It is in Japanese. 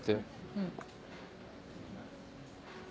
うん。